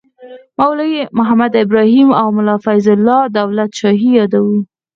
مولوي محمد ابراهیم او ملا فیض الله دولت شاهي یادوو.